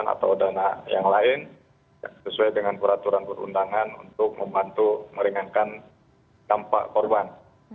atau dana yang lain sesuai dengan peraturan perundangan untuk membantu meringankan dampak korban